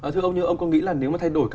thưa ông nhưng ông có nghĩ là nếu mà thay đổi